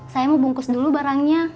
saya mau bungkus dulu barangnya